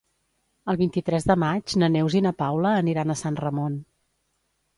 El vint-i-tres de maig na Neus i na Paula aniran a Sant Ramon.